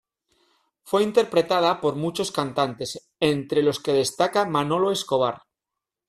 Fue interpretada por muchos cantantes, entre los que destaca Manolo Escobar.